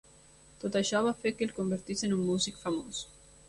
Tot això va fer que es convertís en un músic famós.